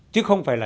chứ không phải là